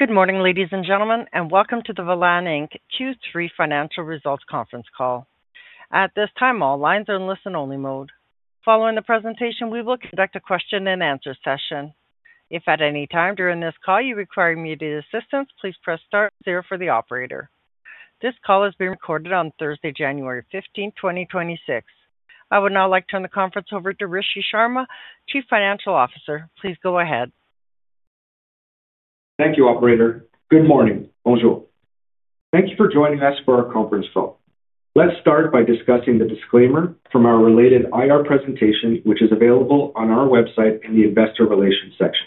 Good morning, ladies and gentlemen, and welcome to the Velan Inc Q3 Financial Results Conference call. At this time, all lines are in listen-only mode. Following the presentation, we will conduct a question-and-answer session. If at any time during this call you require immediate assistance, please press star zero for the operator. This call is being recorded on Thursday, January 15, 2026. I would now like to turn the conference over to Rishi Sharma, Chief Financial Officer. Please go ahead. Thank you, Operator. Good morning, bonjour. Thank you for joining us for our conference call. Let's start by discussing the disclaimer from our related IR presentation, which is available on our website in the Investor Relations section.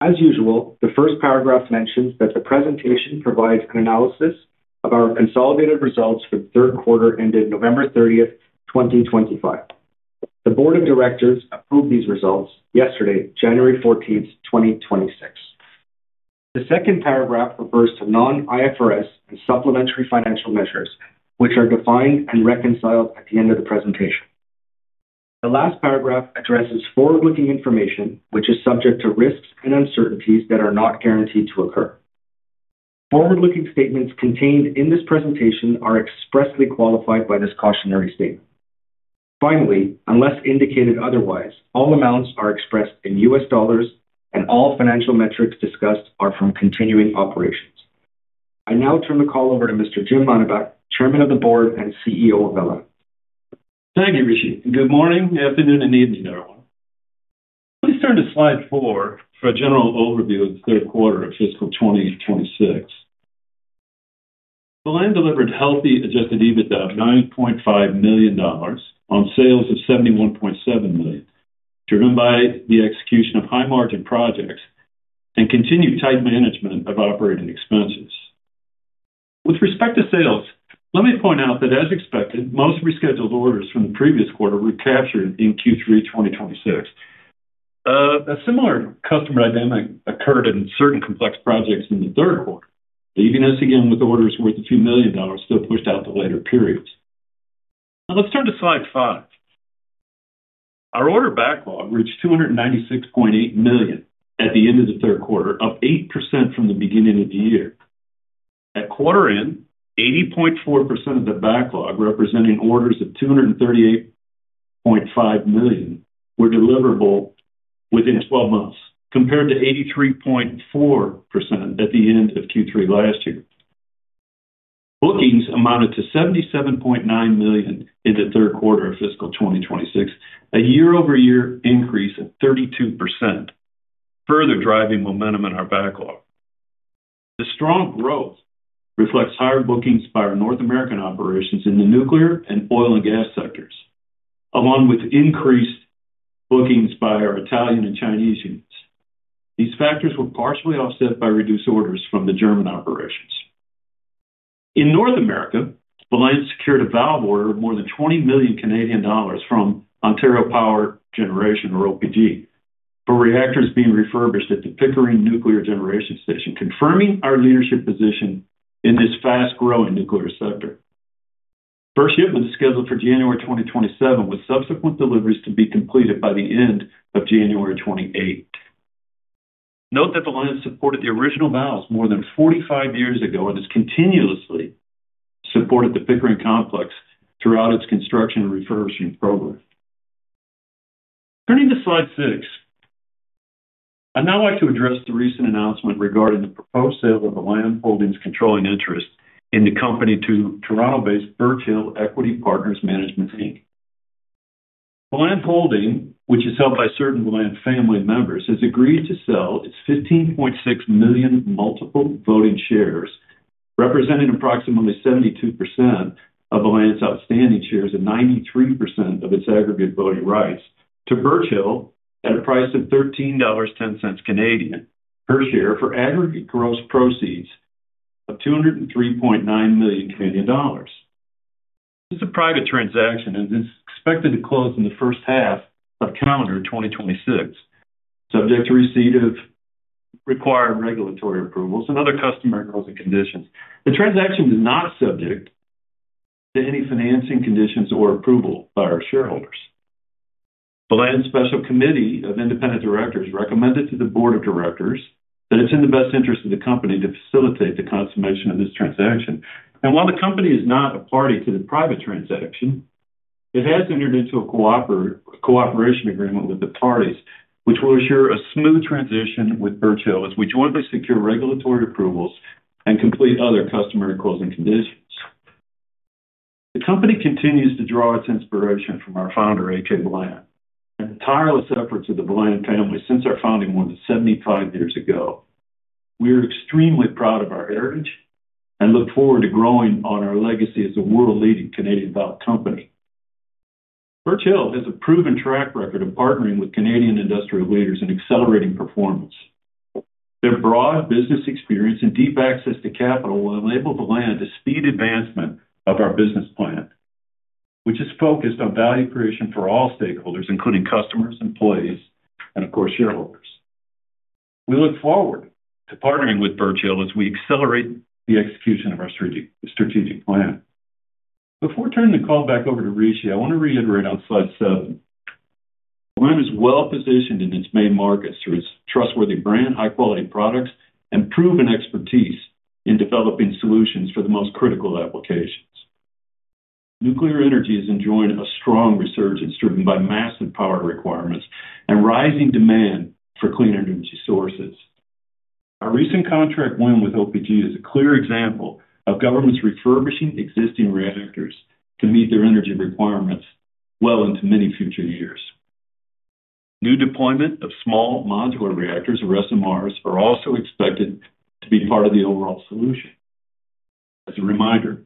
As usual, the first paragraph mentions that the presentation provides an analysis of our consolidated results for the Q3 ended November 30, 2025. The Board of Directors approved these results yesterday, January 14, 2026. The second paragraph refers to non-IFRS and supplementary financial measures, which are defined and reconciled at the end of the presentation. The last paragraph addresses forward-looking information, which is subject to risks and uncertainties that are not guaranteed to occur. Forward-looking statements contained in this presentation are expressly qualified by this cautionary statement. Finally, unless indicated otherwise, all amounts are expressed in US dollars, and all financial metrics discussed are from continuing operations. I now turn the call over to Mr. Jim Mannebach, Chairman of the Board and CEO of Velan. Thank you, Rishi. Good morning, good afternoon, and evening, everyone. Please turn to slide 4 for a general overview of the Q3 of fiscal 2026. Velan delivered healthy Adjusted EBITDA of 9.5 million dollars on sales of 71.7 million, driven by the execution of high-margin projects and continued tight management of operating expenses. With respect to sales, let me point out that, as expected, most rescheduled orders from the previous quarter were captured in Q3 2026. A similar customer dynamic occurred in certain complex projects in the Q3, leaving us again with orders worth a few million dollars still pushed out to later periods. Now, let's turn to slide 5. Our order backlog reached 296.8 million at the end of the Q3, up 8% from the beginning of the year. At quarter end, 80.4% of the backlog, representing orders of 238.5 million, were deliverable within 12 months, compared to 83.4% at the end of Q3 last year. Bookings amounted to 77.9 million in the Q3 of fiscal 2026, a year-over-year increase of 32%, further driving momentum in our backlog. The strong growth reflects higher bookings by our North American operations in the nuclear and oil and gas sectors, along with increased bookings by our Italian and Chinese units. These factors were partially offset by reduced orders from the German operations. In North America, Velan secured a valve order of more than 20 million Canadian dollars from Ontario Power Generation, or OPG, for reactors being refurbished at the Pickering Nuclear Generation Station, confirming our leadership position in this fast-growing nuclear sector. First shipments scheduled for January 2027, with subsequent deliveries to be completed by the end of January 2028. Note that Velan supported the original valves more than 45 years ago and has continuously supported the Pickering complex throughout its construction and refurbishment program. Turning to slide 6, I'd now like to address the recent announcement regarding the proposed sale of Velan Holdings controlling interest in the company to Toronto-based Birch Hill Equity Partners Management Inc. Velan Holdings, which is held by certain Velan family members, has agreed to sell its 15.6 million multiple voting shares, representing approximately 72% of Velan's outstanding shares and 93% of its aggregate voting rights, to Birch Hill at a price of 13.10 Canadian dollars per share for aggregate gross proceeds of 203.9 million Canadian dollars. This is a private transaction, and it's expected to close in the first half of calendar 2026, subject to receipt of required regulatory approvals and other customer goals and conditions. The transaction is not subject to any financing conditions or approval by our shareholders. Velan's special committee of independent directors recommended to the Board of Directors that it's in the best interest of the company to facilitate the consummation of this transaction, and while the company is not a party to the private transaction, it has entered into a cooperation agreement with the parties, which will ensure a smooth transition with Birch Hill as we jointly secure regulatory approvals and complete other customer goals and conditions. The company continues to draw its inspiration from our founder, A.K. Velan, and the tireless efforts of the Velan family since our founding more than 75 years ago. We are extremely proud of our heritage and look forward to growing on our legacy as a world-leading Canadian valve company. Birch Hill has a proven track record of partnering with Canadian industrial leaders and accelerating performance. Their broad business experience and deep access to capital will enable Velan to speed advancement of our business plan, which is focused on value creation for all stakeholders, including customers, employees, and, of course, shareholders. We look forward to partnering with Birch Hill as we accelerate the execution of our strategic plan. Before turning the call back over to Rishi, I want to reiterate on slide 7. Velan is well-positioned in its main markets through its trustworthy brand, high-quality products, and proven expertise in developing solutions for the most critical applications. Nuclear energy is enjoying a strong resurgence driven by massive power requirements and rising demand for clean energy sources. Our recent contract win with OPG is a clear example of governments refurbishing existing reactors to meet their energy requirements well into many future years. New deployment of small modular reactors or SMRs are also expected to be part of the overall solution. As a reminder,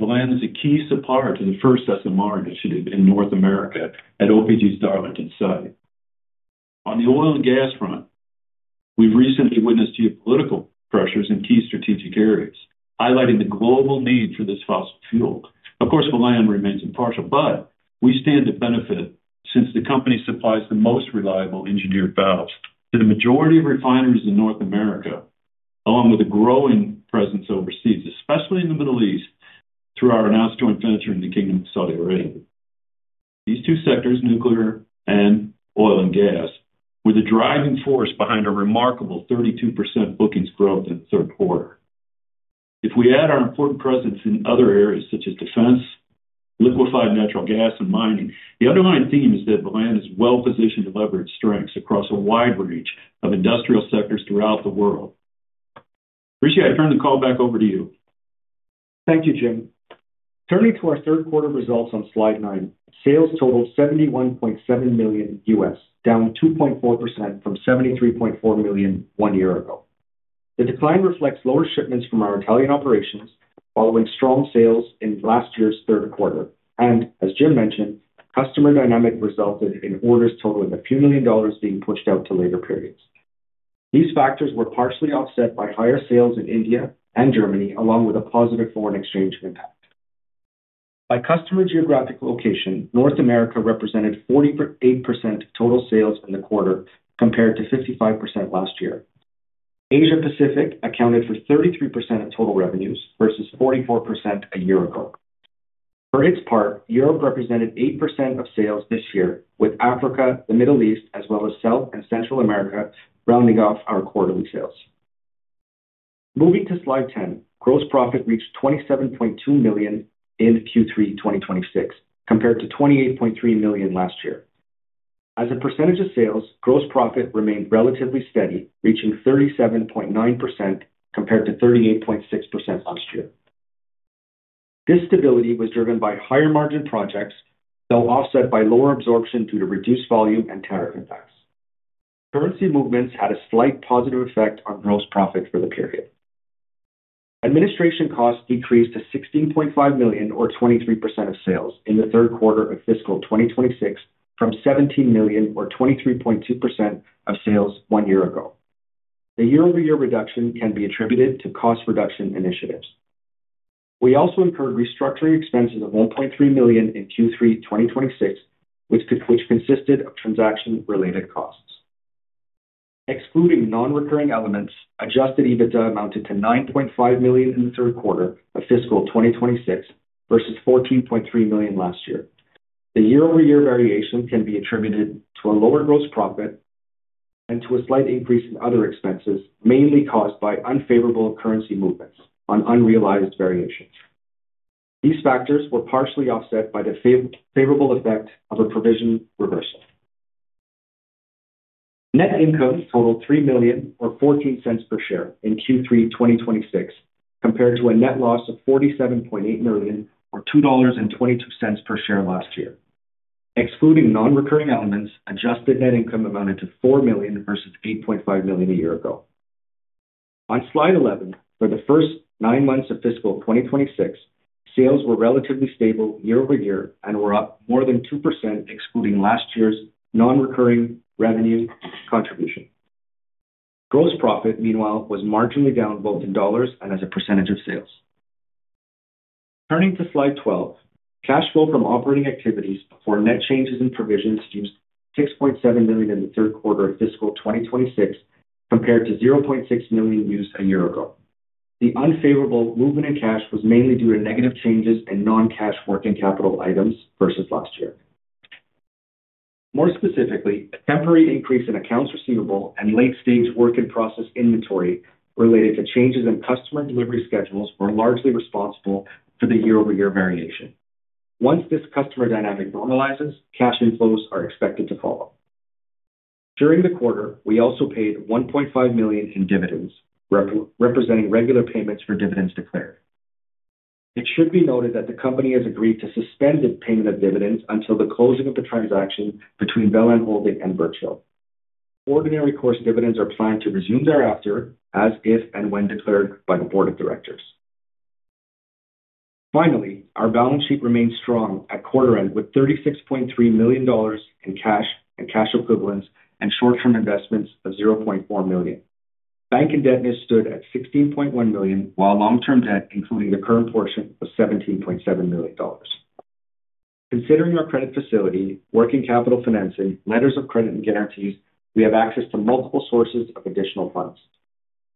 Velan is a key supplier to the first SMR initiative in North America at OPG's Darlington site. On the oil and gas front, we've recently witnessed geopolitical pressures in key strategic areas, highlighting the global need for this fossil fuel. Of course, Velan remains impartial, but we stand to benefit since the company supplies the most reliable engineered valves to the majority of refineries in North America, along with a growing presence overseas, especially in the Middle East through our announced joint venture in the Kingdom of Saudi Arabia. These two sectors, nuclear and oil and gas, were the driving force behind a remarkable 32% bookings growth in the Q3. If we add our important presence in other areas such as defense, liquefied natural gas, and mining, the underlying theme is that Velan is well-positioned to leverage strengths across a wide range of industrial sectors throughout the world. Rishi, I turn the call back over to you. Thank you, Jim. Turning to our Q3 results on slide 9, sales totaled $71.7 million, down 2.4% from $73.4 million one year ago. The decline reflects lower shipments from our Italian operations following strong sales in last year's Q3. And as Jim mentioned, customer dynamic resulted in orders totaling a few million dollars being pushed out to later periods. These factors were partially offset by higher sales in India and Germany, along with a positive foreign exchange impact. By customer geographic location, North America represented 48% total sales in the quarter compared to 55% last year. Asia-Pacific accounted for 33% of total revenues versus 44% a year ago. For its part, Europe represented 8% of sales this year, with Africa, the Middle East, as well as South and Central America rounding off our quarterly sales. Moving to slide 10, gross profit reached 27.2 million in Q3 2026, compared to 28.3 million last year. As a percentage of sales, gross profit remained relatively steady, reaching 37.9% compared to 38.6% last year. This stability was driven by higher margin projects, though offset by lower absorption due to reduced volume and tariff impacts. Currency movements had a slight positive effect on gross profit for the period. Administration costs decreased to 16.5 million, or 23% of sales, in the Q3 of fiscal 2026 from 17 million, or 23.2% of sales one year ago. The year-over-year reduction can be attributed to cost reduction initiatives. We also incurred restructuring expenses of 1.3 million in Q3 2026, which consisted of transaction-related costs. Excluding non-recurring elements, Adjusted EBITDA amounted to 9.5 million in the Q3 of fiscal 2026 versus 14.3 million last year. The year-over-year variation can be attributed to a lower gross profit and to a slight increase in other expenses, mainly caused by unfavorable currency movements on unrealized variations. These factors were partially offset by the favorable effect of a provision reversal. Net income totaled 3.14 per share in Q3 2026, compared to a net loss of 47.8 million, or 2.22 dollars per share last year. Excluding non-recurring elements, adjusted net income amounted to 4 million versus 8.5 million a year ago. On slide 11, for the first nine months of fiscal 2026, sales were relatively stable year-over-year and were up more than 2%, excluding last year's non-recurring revenue contribution. Gross profit, meanwhile, was marginally down both in dollars and as a percentage of sales. Turning to slide 12, cash flow from operating activities for net changes in provisions used 6.7 million in the Q3 of fiscal 2026, compared to 0.6 million used a year ago. The unfavorable movement in cash was mainly due to negative changes in non-cash working capital items versus last year. More specifically, a temporary increase in accounts receivable and late-stage work-in-process inventory related to changes in customer delivery schedules were largely responsible for the year-over-year variation. Once this customer dynamic normalizes, cash inflows are expected to follow. During the quarter, we also paid 1.5 million in dividends, representing regular payments for dividends declared. It should be noted that the company has agreed to suspended payment of dividends until the closing of the transaction between Velan Holdings and Birch Hill. Ordinary course dividends are planned to resume thereafter, as if and when declared by the Board of Directors. Finally, our balance sheet remained strong at quarter end with 36.3 million dollars in cash and cash equivalents and short-term investments of 0.4 million. Bank indebtedness stood at 16.1 million, while long-term debt, including the current portion, was 17.7 million dollars. Considering our credit facility, working capital financing, letters of credit, and guarantees, we have access to multiple sources of additional funds.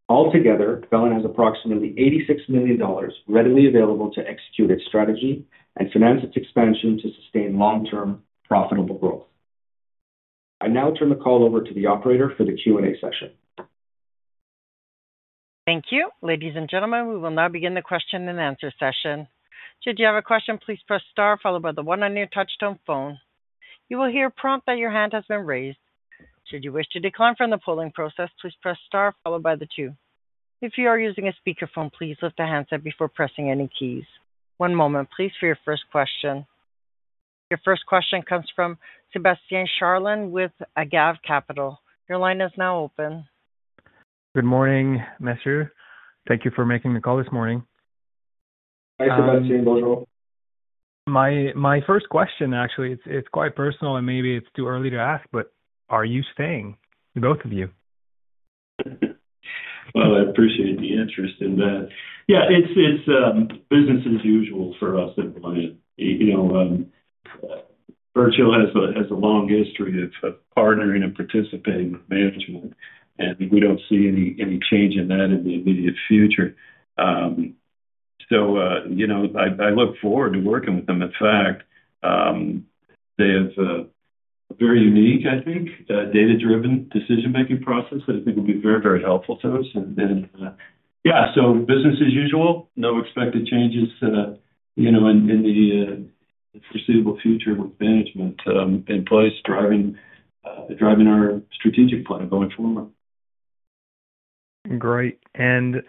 Altogether, Velan has approximately 86 million dollars readily available to execute its strategy and finance its expansion to sustain long-term profitable growth. I now turn the call over to the operator for the Q&A session. Thank you. Ladies and gentlemen, we will now begin the question and answer session. Should you have a question, please press star followed by the one on your touch-tone phone. You will hear a prompt that your hand has been raised. Should you wish to decline from the polling process, please press star followed by the two. If you are using a speakerphone, please lift the handset before pressing any keys. One moment, please, for your first question. Your first question comes from Sébastien Charland with Agave Capital. Your line is now open. Good morning, Monsieur. Thank you for making the call this morning. Hi, Sébastien. Bonjour. My first question, actually, it's quite personal and maybe it's too early to ask, but are you staying, both of you? Well, I appreciate the interest in that. Yeah, it's business as usual for us at Velan. Birch Hill has a long history of partnering and participating with management, and we don't see any change in that in the immediate future. So I look forward to working with them. In fact, they have a very unique, I think, data-driven decision-making process that I think will be very, very helpful to us. And yeah, so business as usual, no expected changes in the foreseeable future with management in place driving our strategic plan going forward. Great. And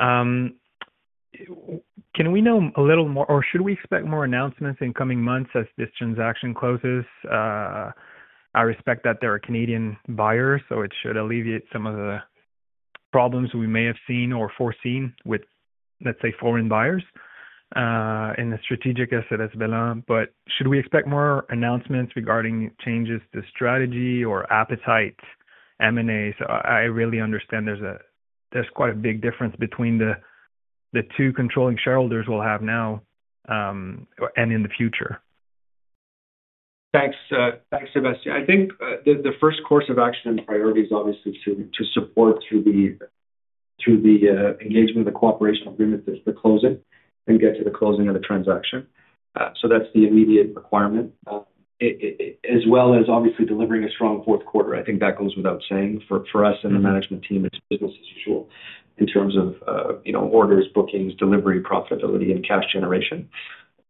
can we know a little more, or should we expect more announcements in coming months as this transaction closes? I respect that they're a Canadian buyer, so it should alleviate some of the problems we may have seen or foreseen with, let's say, foreign buyers in the strategic asset as Velan. But should we expect more announcements regarding changes to strategy or appetite M&As? I really understand there's quite a big difference between the two controlling shareholders we'll have now and in the future. Thanks, Sebastien. I think the first course of action and priority is obviously to support through the engagement of the cooperation agreement the closing and get to the closing of the transaction. So that's the immediate requirement, as well as obviously delivering a strong Q4. I think that goes without saying. For us and the management team, it's business as usual in terms of orders, bookings, delivery, profitability, and cash generation.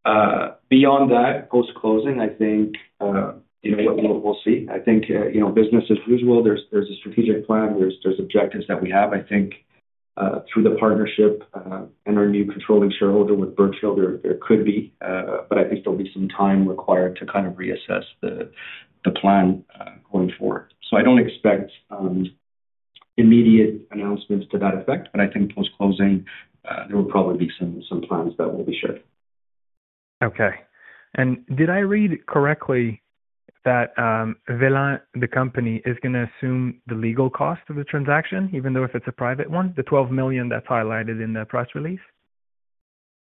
Beyond that, post-closing, I think we'll see. I think business as usual, there's a strategic plan, there's objectives that we have. I think through the partnership and our new controlling shareholder with Birch Hill, there could be, but I think there'll be some time required to kind of reassess the plan going forward. So I don't expect immediate announcements to that effect, but I think post-closing, there will probably be some plans that will be shared. Okay. And did I read correctly that Velan, the company, is going to assume the legal cost of the transaction, even though if it's a private one, the 12 million that's highlighted in the press release?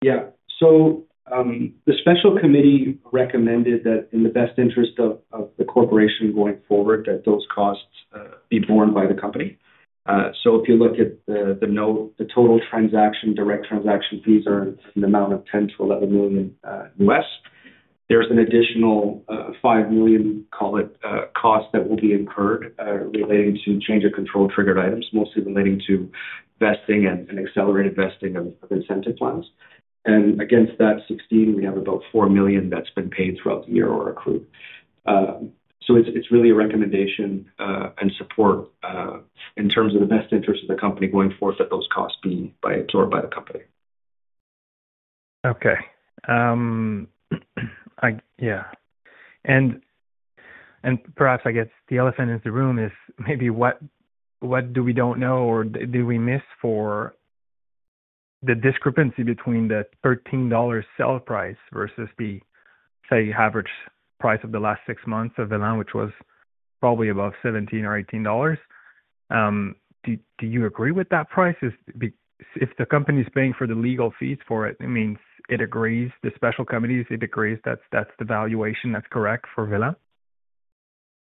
Yeah. So the special committee recommended that in the best interest of the corporation going forward, that those costs be borne by the company. So if you look at the note, the total transaction, direct transaction fees are in the amount of $10-$11 million. There's an additional $5 million, call it, cost that will be incurred relating to change of control-triggered items, mostly relating to vesting and accelerated vesting of incentive plans. And against that $16 million, we have about $4 million that's been paid throughout the year or accrued. So it's really a recommendation and support in terms of the best interest of the company going forward that those costs be absorbed by the company. Okay. Yeah. And perhaps, I guess, the elephant in the room is maybe what do we don't know or do we miss for the discrepancy between the 13 dollar sell price versus the, say, average price of the last six months of Velan, which was probably about 17 or 18 dollars. Do you agree with that price? If the company is paying for the legal fees for it, it means it agrees. The special committee, it agrees that's the valuation that's correct for Velan?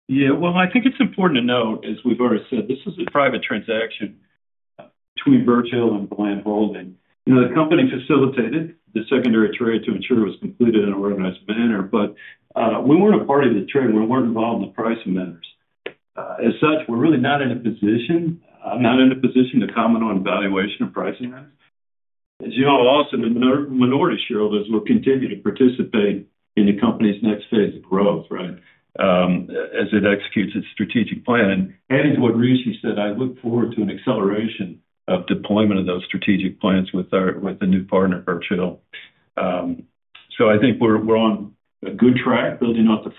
Yeah. Well, I think it's important to note, as we've already said, this is a private transaction between Birch Hill and Velan Holdings. The company facilitated the secondary trade to ensure it was completed in an organized manner, but we weren't a part of the trade. We weren't involved in the pricing matters. As such, we're really not in a position to comment on valuation or pricing matters. As you know, Sébastien, the minority shareholders will continue to participate in the company's next phase of growth, right, as it executes its strategic plan, and adding to what Rishi said, I look forward to an acceleration of deployment of those strategic plans with a new partner, Birch Hill, so I think we're on a good track building out the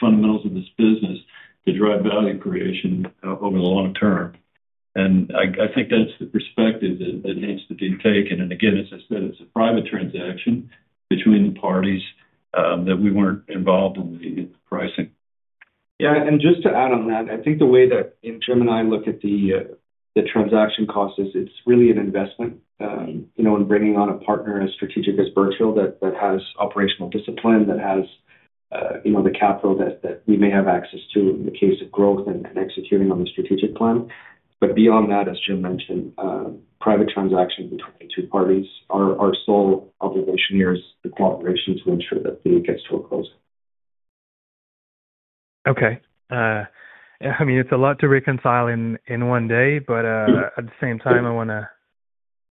fundamentals of this business to drive value creation over the long term. And I think that's the perspective that needs to be taken. And again, as I said, it's a private transaction between the parties that we weren't involved in the pricing. Yeah. And just to add on that, I think the way that Jim and I look at the transaction cost is it's really an investment in bringing on a partner as strategic as Birch Hill that has operational discipline, that has the capital that we may have access to in the case of growth and executing on the strategic plan. But beyond that, as Jim mentioned, private transactions between the two parties. Our sole obligation here is the cooperation to ensure that the deal gets to a close. Okay. I mean, it's a lot to reconcile in one day, but at the same time, I want to,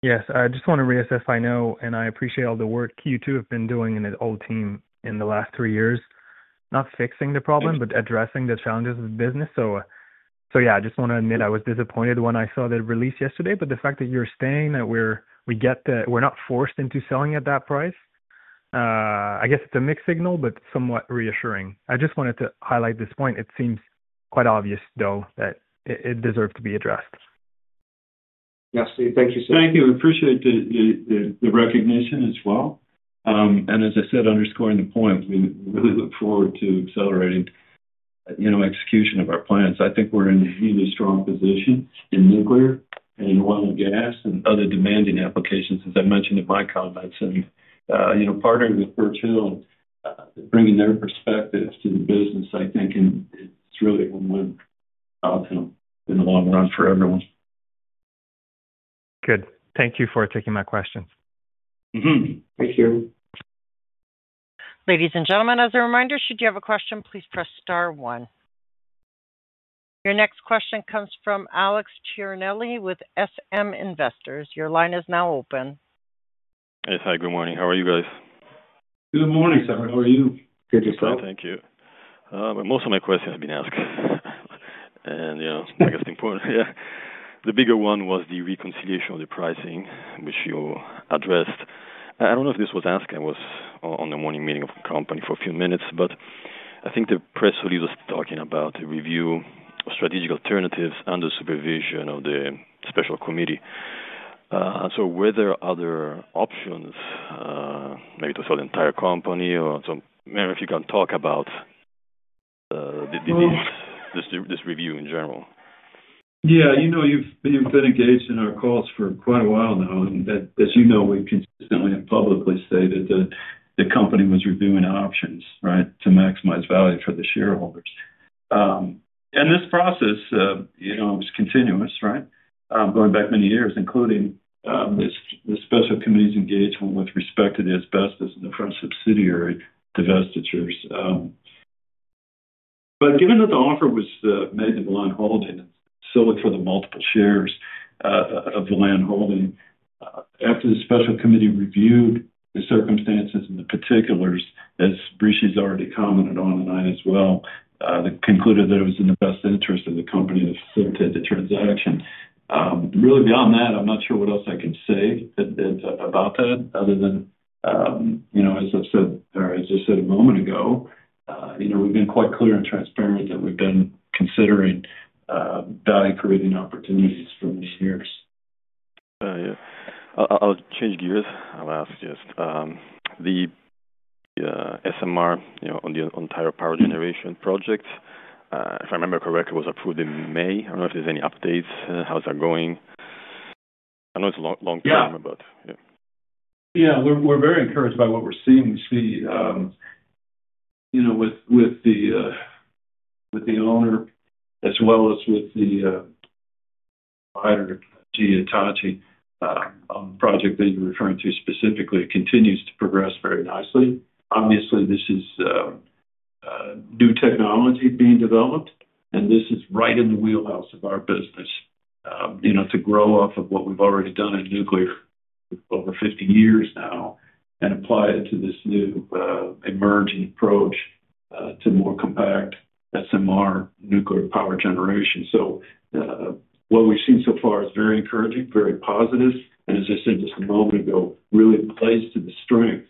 yes, I just want to reassess. I know, and I appreciate all the work you two have been doing in the old team in the last three years, not fixing the problem, but addressing the challenges of the business. So yeah, I just want to admit I was disappointed when I saw the release yesterday, but the fact that you're staying, that we're not forced into selling at that price, I guess it's a mixed signal, but somewhat reassuring. I just wanted to highlight this point. It seems quite obvious, though, that it deserved to be addressed. Thank you so much. Thank you. I appreciate the recognition as well. And as I said, underscoring the point, we really look forward to accelerating execution of our plans. I think we're in a really strong position in nuclear and oil and gas and other demanding applications, as I mentioned in my comments. And partnering with Birch Hill and bringing their perspectives to the business, I think it's really a win-win outcome in the long run for everyone. Good. Thank you for taking my questions. Thank you. Ladies and gentlemen, as a reminder, should you have a question, please press star one. Your next question comes from Alex Ciernelli with SM Investors. Your line is now open. Hey, hi, good morning. How are you guys? Good morning, Alex. How are you? Good, yourself? Thank you. Most of my questions have been asked. And I guess the bigger one was the reconciliation of the pricing, which you addressed. I don't know if this was asked. I was on the morning meeting of the company for a few minutes, but I think the press release was talking about the review of strategic alternatives under supervision of the special committee. So were there other options, maybe to sell the entire company or some, if you can talk about this review in general? Yeah. You've been engaged in our calls for quite a while now. As you know, we've consistently and publicly stated that the company was reviewing options, right, to maximize value for the shareholders. This process was continuous, right, going back many years, including the special committee's engagement with respect to the asbestos and the French subsidiary divestitures. Given that the offer was made to Velan Holdings to sell the multiple voting shares of Velan Holdings, after the special committee reviewed the circumstances and the particulars, as Rishi's already commented tonight as well, they concluded that it was in the best interest of the company to facilitate the transaction. Really, beyond that, I'm not sure what else I can say about that other than, as I've said or as I said a moment ago, we've been quite clear and transparent that we've been considering value-creating opportunities for many years. Yeah. I'll change gears. I'll ask just the SMR, the entire power generation project, if I remember correctly, was approved in May. I don't know if there's any updates. How's that going? I know it's a long term, but yeah. Yeah. We're very encouraged by what we're seeing. We see with the owner, as well as with the provider, GE Hitachi, on the project that you're referring to specifically, it continues to progress very nicely. Obviously, this is new technology being developed, and this is right in the wheelhouse of our business to grow off of what we've already done in nuclear over 50 years now and apply it to this new emerging approach to more compact SMR nuclear power generation. So what we've seen so far is very encouraging, very positive. And as I said just a moment ago, really plays to the strength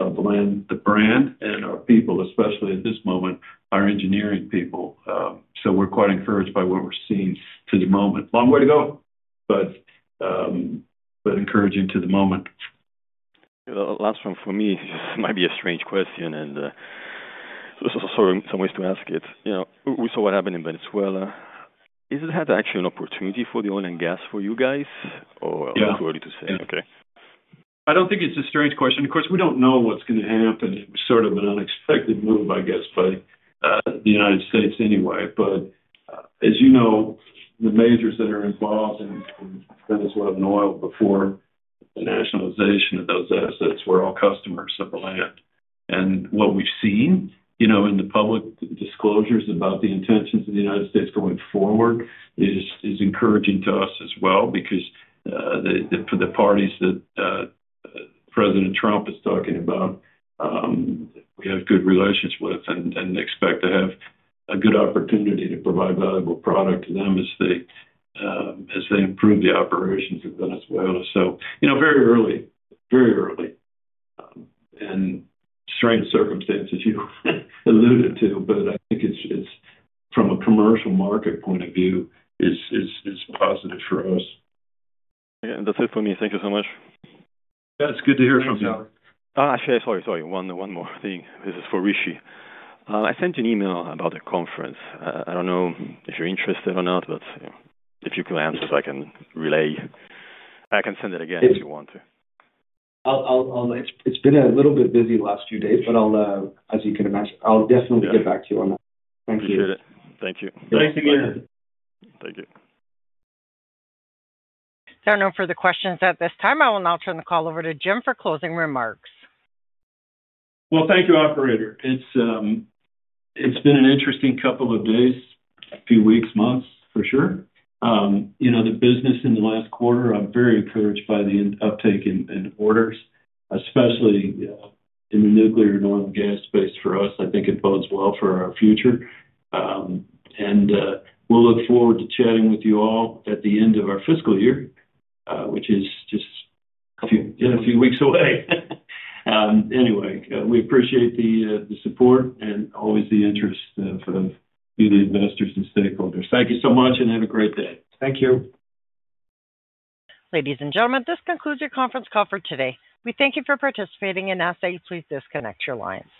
of the brand and our people, especially at this moment, our engineering people. So we're quite encouraged by what we're seeing to the moment. Long way to go, but encouraging to the moment. Last one for me. This might be a strange question, and there's also some ways to ask it. We saw what happened in Venezuela. Is it had actually an opportunity for the oil and gas for you guys, or is it too early to say? Okay. I don't think it's a strange question. Of course, we don't know what's going to happen. It was sort of an unexpected move, I guess, by the United States anyway. But as you know, the majors that are involved in Venezuelan oil before the nationalization of those assets were all customers of Velan. And what we've seen in the public disclosures about the intentions of the United States going forward is encouraging to us as well because for the parties that President Trump is talking about, we have good relations with and expect to have a good opportunity to provide valuable product to them as they improve the operations in Venezuela. So very early, very early. And strange circumstances, you alluded to, but I think from a commercial market point of view, it's positive for us. And that's it for me. Thank you so much. That's good to hear from you. Sorry, sorry. One more thing. This is for Rishi. I sent you an email about the conference. I don't know if you're interested or not, but if you can answer, so I can relay. I can send it again if you want to. It's been a little bit busy the last few days, but as you can imagine, I'll definitely get back to you on that. Thank you. Appreciate it. Thank you. Thanks again. Thank you. There are no further questions at this time. I will now turn the call over to Jim for closing remarks. Thank you, operator. It's been an interesting couple of days, a few weeks, months, for sure. The business in the last quarter, I'm very encouraged by the uptake in orders, especially in the nuclear and oil and gas space for us. I think it bodes well for our future. We'll look forward to chatting with you all at the end of our fiscal year, which is just a few weeks away. Anyway, we appreciate the support and always the interest of the investors and stakeholders. Thank you so much and have a great day. Thank you. Ladies and gentlemen, this concludes your conference call for today. We thank you for participating and ask that you please disconnect your lines.